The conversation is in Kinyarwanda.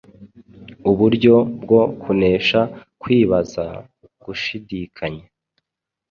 uburyo bwo kunesha kwibaza, gushidikanya,